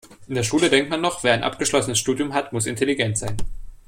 In der Schule denkt man noch, wer ein abgeschlossenes Studium hat, muss intelligent sein.